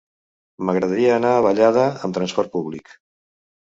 M'agradaria anar a Vallada amb transport públic.